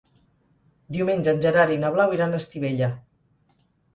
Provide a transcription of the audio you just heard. Diumenge en Gerard i na Blau iran a Estivella.